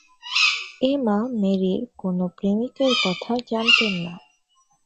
এমা মেরির কোন প্রেমিকের কথা জানতেন না।